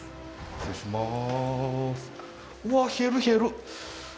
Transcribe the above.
失礼します。